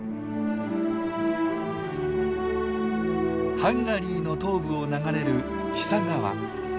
ハンガリーの東部を流れるティサ川。